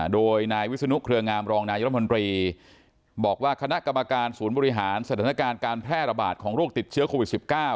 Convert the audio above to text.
โดยนายวิศนุเครืองามรองนายรัฐมนตรีบอกว่าคณะกรรมการศูนย์บริหารสถานการณ์การแพร่ระบาดของโรคติดเชื้อโควิด๑๙